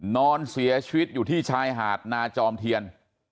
นอนเสียชีวิตอยู่ที่ชายหาดนาจอมเทียน